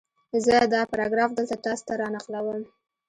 زه دا پاراګراف دلته تاسې ته را نقلوم